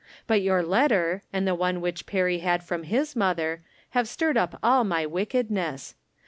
But your letter, and the one which Perry had from Ms mother, have stirred up aU my wickedness.